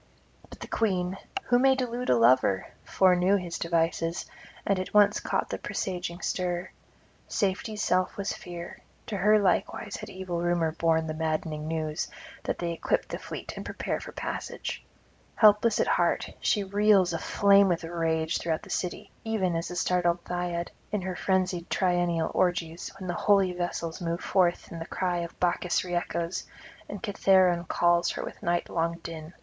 But the Queen who may delude a lover? foreknew his devices, and at once caught the presaging stir. Safety's self was fear; to her likewise had evil Rumour borne the maddening news that they equip the fleet and prepare [300 334]for passage. Helpless at heart, she reels aflame with rage throughout the city, even as the startled Thyiad in her frenzied triennial orgies, when the holy vessels move forth and the cry of Bacchus re echoes, and Cithaeron calls her with nightlong din.